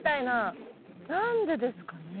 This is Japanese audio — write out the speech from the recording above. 何でですかね？